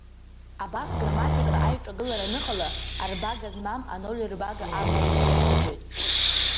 Абас грамматикала аиҿагылара аныҟала, арбага змам аноль рбага амоуп ҳәа ирыԥхьаӡоит.